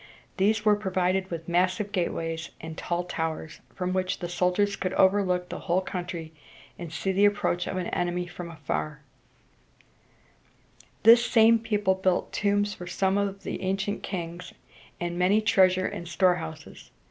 These were provided with massive gateways and tall towers, from which the soldiers could overlook the whole country, and see the approach of an enemy from afar. [Illustration: The Lion Gate, Mycenæ.] This same people built tombs for some of the ancient kings, and many treasure and store houses.